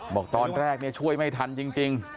บอกตอนแรกช่วยไม่ทันจริง